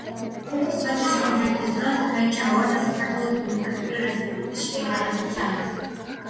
სოჭის კონფლიქტის დროს ტყვედ ჩაუვარდა საქართველოს დემოკრატიული რესპუბლიკის შეიარაღებულ ძალებს.